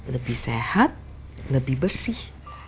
lebih sehat lebih bersih